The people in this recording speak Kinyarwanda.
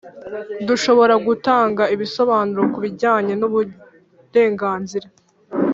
dushobora gutanga ibisobanuro ku bijyanye n'uburenganzira